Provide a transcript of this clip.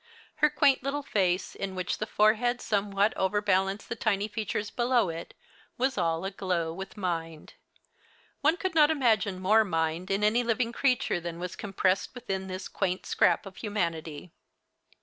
Her quaint little face, in which the forehead somewhat overbalanced the tiny features below it, was all aglow with mind. One could not imagine more mind in any living creature than was compressed within this quaint scrap of humanity.